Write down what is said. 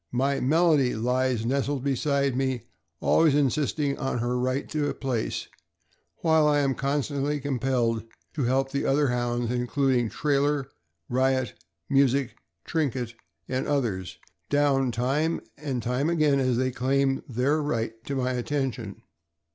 My Melody lies nestled beside me, always insisting on her right to a place, while I am constantly compelled to help the other Hounds, including Trailer, Eiot, Music, Trinket, and others, down time and time again as they claim their right to my attention.